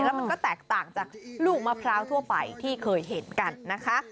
แล้วมันก็แตกต่างจากลูกมะพร้าวทั่วไปที่เคยเห็นกันนะคะ